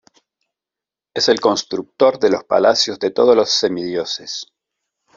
Es el constructor de los palacios de todos los semidioses.